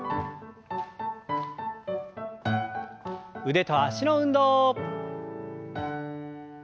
腕と脚の運動。